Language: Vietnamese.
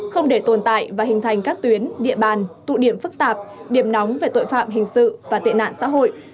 không để tồn tại và hình thành các tuyến địa bàn tụ điểm phức tạp điểm nóng về tội phạm hình sự và tệ nạn xã hội